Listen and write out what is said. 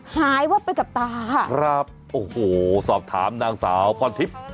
หายวับไปกับตาค่ะครับโอ้โหสอบถามนางสาวพรทิพย์